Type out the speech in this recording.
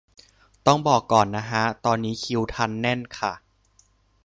ต้องบอกก่อนนะฮะ ตอนนี้คิวทันแน่นค่ะ